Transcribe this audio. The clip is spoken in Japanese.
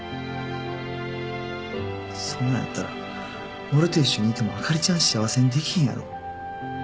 そんなんやったら俺と一緒にいてもあかりちゃん幸せにできひんやろ。